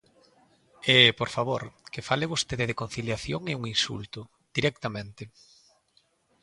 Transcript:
E, por favor, que fale vostede de conciliación é un insulto, ¡directamente!